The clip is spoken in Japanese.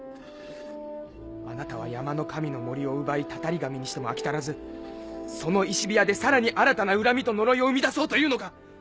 あなたは山の神の森を奪いタタリ神にしても飽き足らずその石火矢でさらに新たな恨みと呪いを生み出そうというのか！